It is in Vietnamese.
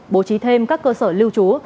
bố trí thêm các cơ sở lưu trú